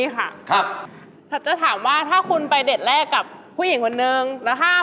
ควรจริงมึงต้องไปเช็บสมองมึงนะ